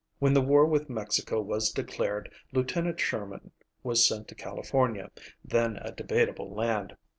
When the war with Mexico was declared, Lieutenant Sherman was sent to California, then a debatable land.